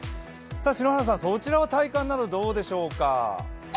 篠原さん、そちらは体感などどうでしょうか。